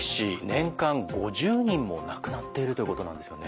年間５０人も亡くなっているということなんですよね。